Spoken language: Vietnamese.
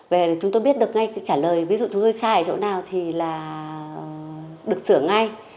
về chúng tôi biết được ngay trả lời ví dụ chúng tôi sai ở chỗ nào thì là được sửa ngay